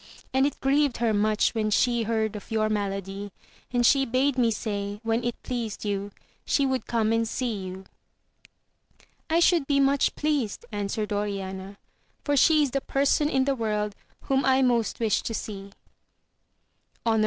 And it grieved her much when she heard of your malady, and she bade me say, when it pleased you, she would come and see you. I should be much pleased, answered Oriana, for she is the person in the world whom I most wish to see. Honour AMADIS OF GAUL.